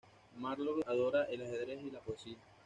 Marlowe adora el ajedrez y la poesía.